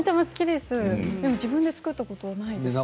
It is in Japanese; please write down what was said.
でも自分で作ったことないです。